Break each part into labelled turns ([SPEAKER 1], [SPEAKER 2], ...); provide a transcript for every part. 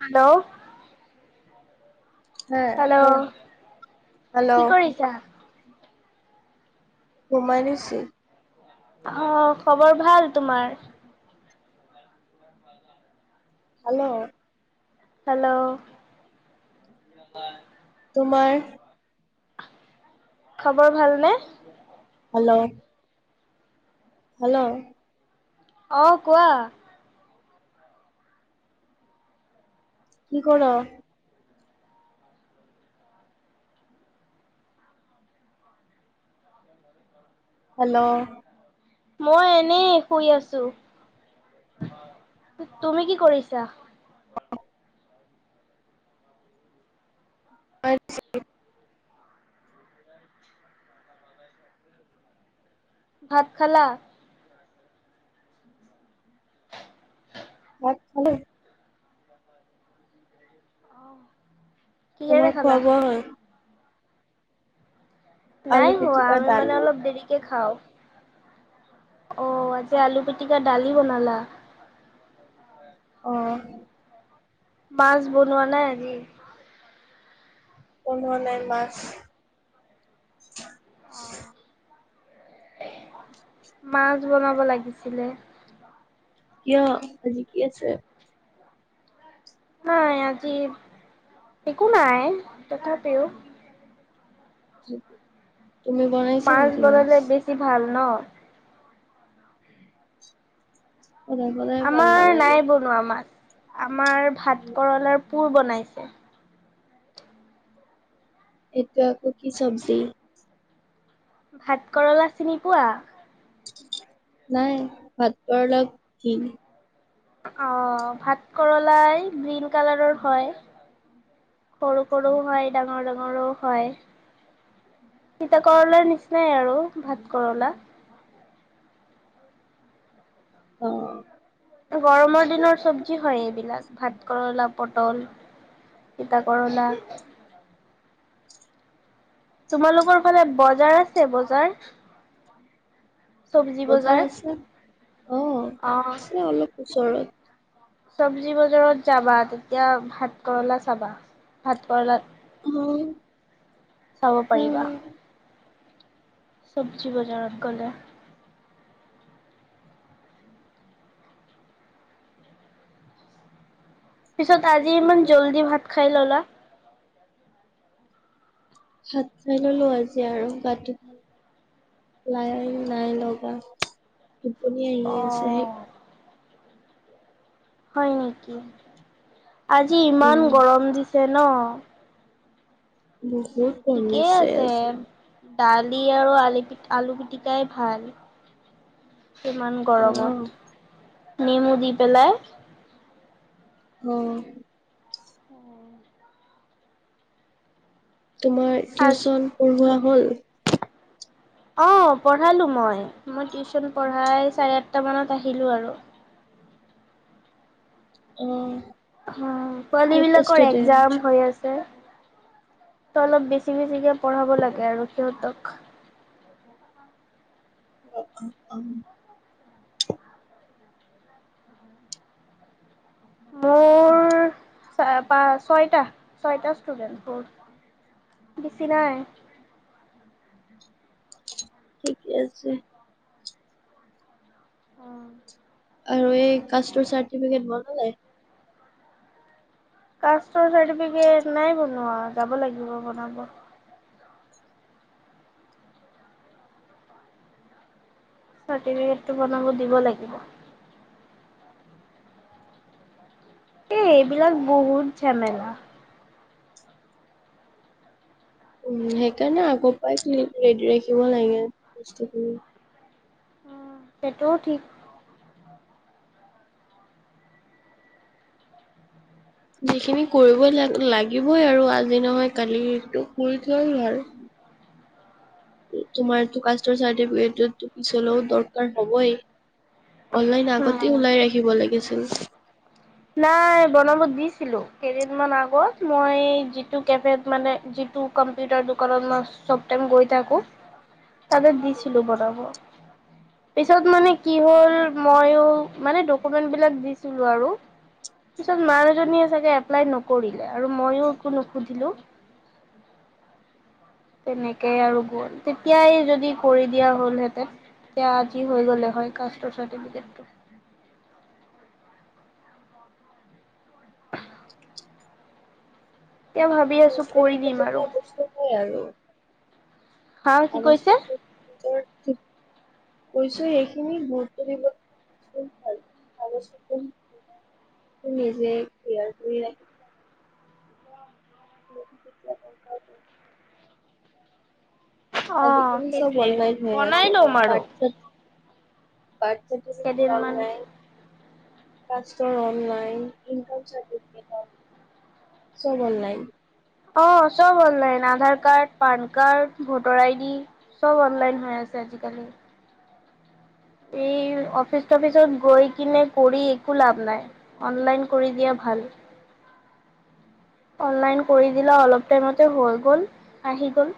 [SPEAKER 1] Hello.
[SPEAKER 2] হ্যাঁ
[SPEAKER 1] hello,
[SPEAKER 2] hello
[SPEAKER 1] কি কৰিছা?
[SPEAKER 2] সোমাই লৈছিল।
[SPEAKER 1] অ', খবৰ ভাল তোমাৰ?
[SPEAKER 2] হেল্ল'?
[SPEAKER 1] হেল্ল'?
[SPEAKER 2] তোমাৰ?
[SPEAKER 1] খবৰ ভাল নে?
[SPEAKER 2] হেল্ল'? হেল্ল'?
[SPEAKER 1] অ' কোৱা।
[SPEAKER 2] কি কৰ? হেল্ল'?
[SPEAKER 1] মই এনেই শুই আছোঁ। তুমি কি কৰিছা?
[SPEAKER 2] [inaudible] [inaudible]
[SPEAKER 1] ভাত খালা?
[SPEAKER 2] [inaudible] খালোঁ।
[SPEAKER 1] কিহেৰে
[SPEAKER 2] তোমাৰ
[SPEAKER 1] খালা?
[SPEAKER 2] খোৱা বোৱা হ'ল? আলু
[SPEAKER 1] নাই হোৱা,
[SPEAKER 2] পিটিকা
[SPEAKER 1] আমি মানে
[SPEAKER 2] দালি
[SPEAKER 1] অলপ দেৰিকে খাওঁ। অ' আজি আলু পিটিকা দালি বনালা।
[SPEAKER 2] অ',
[SPEAKER 1] মাছ বনোৱা নাই আজি
[SPEAKER 2] বনোৱা নাই মাছ
[SPEAKER 1] মাছ বনাব লাগিছিলে
[SPEAKER 2] কিয় আজি কি আছে
[SPEAKER 1] নাই আজি একো নাই তথাপিও
[SPEAKER 2] [inaudible] বনাইছা
[SPEAKER 1] মাছ
[SPEAKER 2] নেকি
[SPEAKER 1] বনালে বেছি ভাল ন
[SPEAKER 2] সদায় সদায় ভাল
[SPEAKER 1] আমাৰ
[SPEAKER 2] নালাগে
[SPEAKER 1] নাই বনোৱা আমাৰ আমাৰ ভাত কেৰলাৰ পোৰ বনাইছে
[SPEAKER 2] এইটো আকৌ কি চব্জি
[SPEAKER 1] ভাত কৰলা চিনি পোৱা
[SPEAKER 2] নাই ভাত কৰলা কি
[SPEAKER 1] অ', ভাত কৰলাই গ্ৰীণ কালাৰৰ হয় সৰু সৰুও হয় ডাঙৰ ডাঙৰো হয় তিতা কৰলাৰ নিচিনাই আৰু ভাত কৰলা
[SPEAKER 2] অ',
[SPEAKER 1] গৰমৰ দিনৰ চব্জি হয়, এইবিলাক ভাত কৰলা পটল তিতা কৰলা তোমালোকৰ ফালে বজাৰ আছে বজাৰ
[SPEAKER 2] বজাৰ আছে অ',
[SPEAKER 1] অ'।
[SPEAKER 2] আছে অলপ ওচৰত
[SPEAKER 1] চব্জি বজাৰত যাবা তেতিয়া ভাত কৰলা চাবা ভাত কৰলাত
[SPEAKER 2] হয়,
[SPEAKER 1] চাব পাৰিবা চব্জি বজাৰত গলে পিছত আজি ইমান জল্দি ভাত খাই ললা
[SPEAKER 2] চাত চাই ললো আজি আৰু গাটো নাই, নাই লগা টোপনি আহি আছে সেইকাৰ
[SPEAKER 1] হয় নেকি আজি
[SPEAKER 2] উম
[SPEAKER 1] ইমান গৰম দিছে ন
[SPEAKER 2] বহুত
[SPEAKER 1] ঠিকেই
[SPEAKER 2] কমিছে
[SPEAKER 1] আছে
[SPEAKER 2] আজি
[SPEAKER 1] দালি আৰু আলি আলু পিটিকাই ভাল ইমান
[SPEAKER 2] অ
[SPEAKER 1] গৰমত নেমু দি পেলাই
[SPEAKER 2] উম। তোমাৰ টিউচন পঢ়োৱা হল
[SPEAKER 1] অ', পঢ়ালো মই মই টিউচন পঢ়াই চাৰে আঠটা মানত আহিলো আৰু
[SPEAKER 2] অ',
[SPEAKER 1] অ', পোৱালী
[SPEAKER 2] কেইটা
[SPEAKER 1] বিলাকৰ
[SPEAKER 2] ষ্টুডেন্ট
[SPEAKER 1] এক্সযাম হৈ আছে ত অলপ বেছি বেছিকে পঢ়াব লাগে আৰু সিহঁতক
[SPEAKER 2] উ, উ
[SPEAKER 1] মোৰ প ছয়টা, ছয়টা ষ্টুডেন্ট মোৰ বেছি নাই
[SPEAKER 2] থিকে আছে
[SPEAKER 1] অম [inaudible]
[SPEAKER 2] আৰু এই কাষ্টৰ চাৰ্টিফিকেট বনা নাই
[SPEAKER 1] কাষ্টৰ চাৰ্টিফিকেট নাই বনোৱা যাব লাগিব বনাব চাৰ্টিবিকেতো বনাবো দিব লাগিব এই এইবিলাক বহুত ঝামেলা
[SPEAKER 2] উ সেইকাৰণে আগৰ পৰাই চ ৰেডি ৰাখিব লাগে বস্তুখিনি
[SPEAKER 1] সেইটোও ঠিক
[SPEAKER 2] যিখিনি কৰিবই ল লাগিবই আৰু আজি নহয় কালিটো কৰি থোৱা ভাল
[SPEAKER 1] [inaudible]
[SPEAKER 2] তোমাৰটো কাষ্টৰ চাৰ্টিফিকেটতো পিছলৈও দৰকাৰ হ'বই। অনলাইন আগতে
[SPEAKER 1] নাই।
[SPEAKER 2] ওলাই ৰাখিব লাগিছিল।
[SPEAKER 1] নাই বনাব দিছিলোঁ কেইদিনমান আগত মই যিটো কেফেত মানে দি টো কম্পিউটাৰ দোকানত মই চব টাইম গৈ থাকোঁ। তাতে দিছিলোঁ বনাবৰ। পিছত মানে কি হ'ল ময়ো মানে ডকুমেন্টবিলাক দিছিলোঁ আৰু। পিছত মানুহজনীয়ে চাগে এপ্লাই নকৰিলে আৰু ময়ো একো নুসুধিলো। [inaudible] তেনেকেই আৰু গ'ল তেতিয়াই যদি কৰি দিয়া হ'লহেঁতেন। এতিয়া আজি হৈ গ'লে হয় কাষ্টৰ চাৰ্টিফিকেতটো। এতিয়া ভাবি আছো
[SPEAKER 2] [unintelligible]
[SPEAKER 1] কৰি দিম আৰু
[SPEAKER 2] এটা বস্তু হয় আৰু।
[SPEAKER 1] হা কি
[SPEAKER 2] কাগজ
[SPEAKER 1] কৈছে?
[SPEAKER 2] কৈছোঁ, এইখিনি গুৰুত্ব দিব কিছ ভাল কাগজ পত্ৰ ত' নিজে কিয়াৰ কৰি ৰাখিব। [unintelligible]
[SPEAKER 1] অ
[SPEAKER 2] আজিকালি চব
[SPEAKER 1] সেইটোৱে
[SPEAKER 2] অনলাইন হৈ আছে
[SPEAKER 1] বনাই লম আৰু
[SPEAKER 2] হোৱাটছআপ বাৰ্থ চাৰ্টিফিকেট কম
[SPEAKER 1] কেইদিনমান
[SPEAKER 2] নাই। কাষ্টৰ অনলাইন, ইনকাম চাৰ্টিফিকেট হয়ক। চব অনলাইন।
[SPEAKER 1] অ', চব অনলাইন আধাৰ কাৰ্ড, পান কাৰ্ড, ভোটাৰ আইডি, চব অনলাইন হৈ আছে। আজিকালি এই অফিচ টফিচত গৈ কিনে কৰি একো লাভ নাই অনলাইন কৰি দিয়া ভাল। [inaudible] অনলাইন কৰি দিলা অলপ টাইমতে হৈ গ'ল, আহি গ'ল।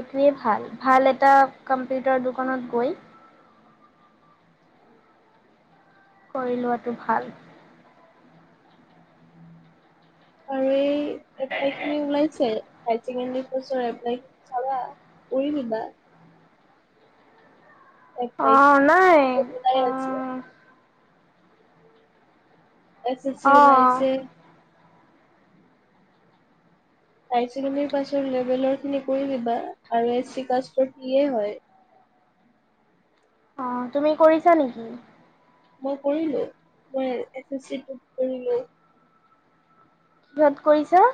[SPEAKER 1] এইটোৱেই ভাল ভাল এটা কম্পিউটাৰ দোকানত গৈ
[SPEAKER 2] উ।
[SPEAKER 1] কৰি লোৱাটো ভাল।
[SPEAKER 2] আৰু এই এপ্লাইখিনি ওলাইছে? হাই ছেকেণ্ডাৰী পোষ্টৰ এপ্লাইখিনি চাবা কৰি দিবা।
[SPEAKER 1] অ
[SPEAKER 2] এপ্লাই
[SPEAKER 1] নাই
[SPEAKER 2] ওলাই
[SPEAKER 1] অ।
[SPEAKER 2] আছে এছ চি চি
[SPEAKER 1] অ'
[SPEAKER 2] ওলাইছে। হায়াৰ ছেকেণ্ডেৰী পাছৰ লেভেলৰখিনি কৰি দিবা আৰু এছ চি কাষ্টৰ পিয়ে হয়।
[SPEAKER 1] অ তুমি কৰিছা নেকি?
[SPEAKER 2] মই কৰিলোঁ, [unintelligible] কৰিলোঁ।
[SPEAKER 1] কিহত কৰিছা?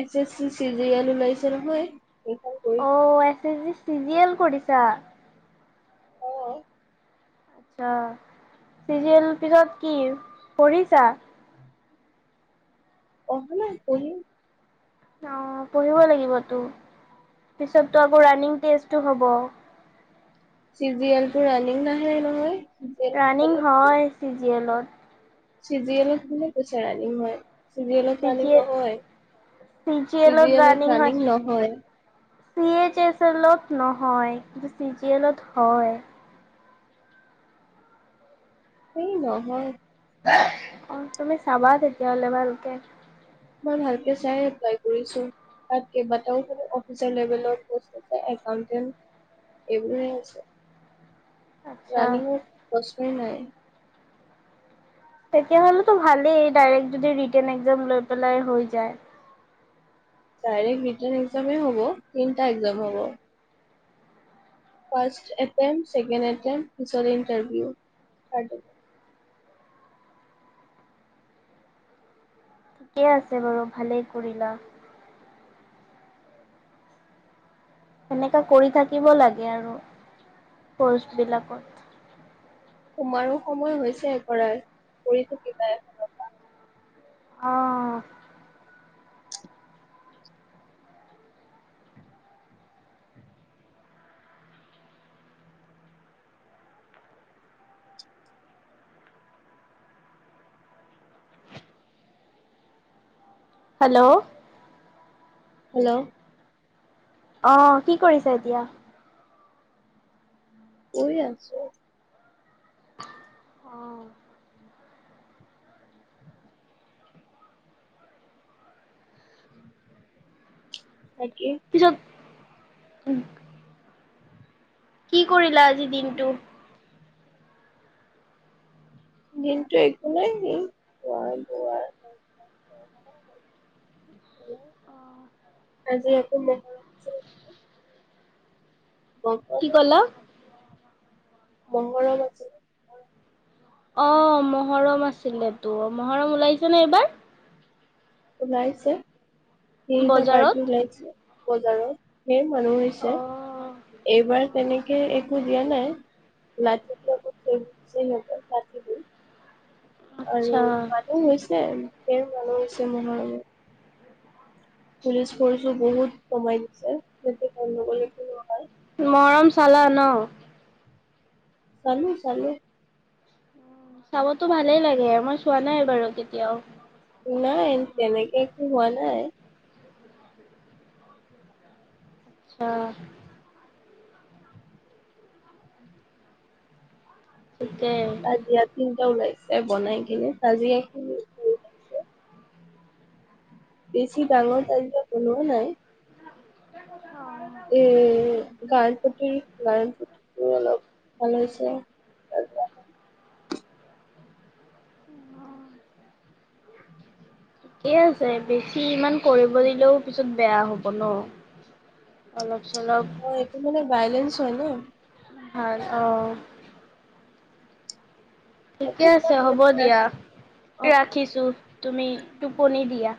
[SPEAKER 2] S S C, C G L ওলাইছে নহয়। সেইখন কৰি
[SPEAKER 1] অ', S S C C G L কৰিছা?
[SPEAKER 2] হয়।
[SPEAKER 1] অ', চি জি এল পিছত কি? পঢ়িছা?
[SPEAKER 2] পঢ়া নাই, পঢ়িম।
[SPEAKER 1] অ', পঢ়িব লাগিবতো। পিছততো আকৌ ৰানিং টেষ্টো হ'ব।
[SPEAKER 2] চি জি এল টো, ৰানিং নাহে নহয়। চি জি এল টো
[SPEAKER 1] ৰাণিং
[SPEAKER 2] বেলেগ
[SPEAKER 1] হয়, চি জি এলত।
[SPEAKER 2] চি জি এলত কোনে কৈছে ৰানিং হয়? চি জি এলত ৰানিং
[SPEAKER 1] জি এ
[SPEAKER 2] নহয়, চি জি এলত ৰানিং নহয়।
[SPEAKER 1] এইচ এছ এলত নহয়, কিন্তু চি জি এলত হয়।
[SPEAKER 2] হেই নহয়।
[SPEAKER 1] [inaudible] অ', তুমি চাবা তেতিয়াহ'লে ভালকে।
[SPEAKER 2] মই ভালকে চাই এপ্লাই কৰিছোঁ। তাত, কেইবাটাও চাগে অফিচাৰ লেভেলৰ প'ষ্ট আছে, একাউণ্টেণ্ট। এইবোৰে আছে,
[SPEAKER 1] আচ্ছা
[SPEAKER 2] ৰাণীংত প্ৰশ্ন নাই।
[SPEAKER 1] তেতিয়াহ'লেতো ভালেই ডাইৰেক্ট যদি ৰিটেন এক্সাম লৈ পেলাই হৈ যায়।
[SPEAKER 2] ডাইৰেক্ট ৰিটেন এক্সামেই হ'ব, তিনিটা এক্সাম হ'ব। ফাৰ্ষ্ট এটেম্ট, ছেকেণ্ড এটেম্ট, পিছত ইণ্টাৰভিউ, থাৰ্ড এটেম্ট।
[SPEAKER 1] ঠিকে আছে বাৰু, ভালেই কৰিলা। সেনেকা কৰি থাকিব লাগে আৰু, প'ষ্টবিলাকত।
[SPEAKER 2] তোমাৰো সময় হৈছে কৰাৰ, কৰি থাকিবা এফালৰ পৰা।
[SPEAKER 1] অ'। হেল্ল'!
[SPEAKER 2] হেল্ল'!
[SPEAKER 1] অ', কি কৰিছা এতিয়া?
[SPEAKER 2] শুই আছোঁ।
[SPEAKER 1] অ'।
[SPEAKER 2] বাকী
[SPEAKER 1] উম। কি কৰিলা আজি দিনটো?
[SPEAKER 2] দিনটো একো নাই, এই খোৱা, বোৱা [unintelligible] আজি আকৌ মহ [unintelligible]
[SPEAKER 1] কি ক'লা?
[SPEAKER 2] মহৰম আছে।
[SPEAKER 1] অ', মহৰম আছিলেতো, মহৰম ওলাইছেনে এইবাৰ?
[SPEAKER 2] ওলাইছে, কেইটা
[SPEAKER 1] বজাৰত?
[SPEAKER 2] পাৰ্টি ওলাইছে, বজাৰত? ধেৰ মানুহ হৈছে,
[SPEAKER 1] অ',
[SPEAKER 2] এইবাৰ তেনে কে, একো দিয়া নাই? লাঠি বিলাকত থৈছে সিহঁতে, [unintelligible] আৰু
[SPEAKER 1] আচ্ছা
[SPEAKER 2] মানুহ হৈছে, ধেৰ মানুহ হৈছে মহৰমৰ। পুলিচ ফ'ৰ্চো বহুত কমাই দিছে [unintelligible]
[SPEAKER 1] মহৰম চালা ন?
[SPEAKER 2] চালোঁ, চালোঁ।
[SPEAKER 1] চাবতো ভালেই লাগে, মই চোৱা নাই বাৰু কেতিয়াও।
[SPEAKER 2] নাই, তেনেকে একো হোৱা নাই।
[SPEAKER 1] [unintelligible] ঠিকে
[SPEAKER 2] তাজিয়া তিনিটা ওলাইছে বনাই কিনে তাজিয়াখিনি কৰিছে। বেছি ডাঙৰ তাজিয়া বনোৱাও নাই। এ গাজপতি লাৰন পতিটো অলপ ভাল হৈছে [unintelligible]
[SPEAKER 1] থিকে আছে বেছি ইমান কৰিব দিলেও পিছত বেয়া হ'ব ন। অলপ চলপ
[SPEAKER 2] অ এইটো মানে বাইলেন্স হয় ন।
[SPEAKER 1] ভাল অ। ঠিকে আছে হ'ব দিয়া
[SPEAKER 2] অ
[SPEAKER 1] ৰাখিছো। তুমি টোপনি দিয়া।